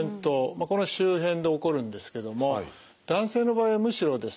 この周辺で起こるんですけども男性の場合はむしろですね